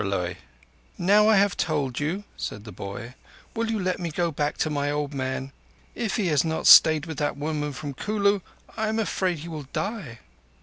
_" "Now I have told you," said the boy, "will you let me go back to my old man? If he has not stayed with that woman from Kulu, I am afraid he will die."